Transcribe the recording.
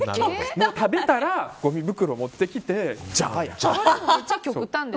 食べたらごみ袋持ってきてじゃん。